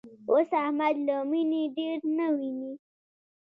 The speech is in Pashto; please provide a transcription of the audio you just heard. اوس احمد له مینې ډېر نه ویني.